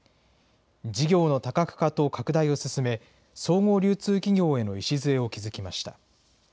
事業の多角化と拡大を進め、総合流通企業への礎を築きました。